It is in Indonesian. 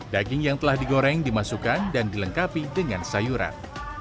daging yang telah digoreng dimasukkan dan dilengkapi dengan sayuran